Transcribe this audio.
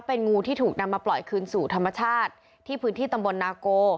เป็นงูที่ถูกนำมาปล่อยคืนสู่ธรรมชาติที่พื้นที่ตำบลนาโก